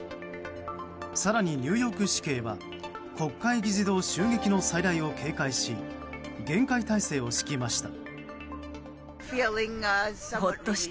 更に、ニューヨーク市警は国会議事堂襲撃の再来を警戒し厳戒態勢を敷きました。